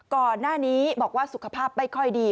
ก่อนหน้านี้บอกว่าสุขภาพไม่ค่อยดี